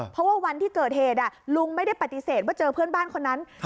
เพราะว่าวันที่เกิดเหตุลุงไม่ได้ปฏิเสธว่าเจอเพื่อนบ้านคนนั้น